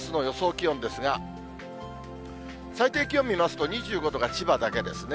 気温ですが、最低気温見ますと２５度が千葉だけですね。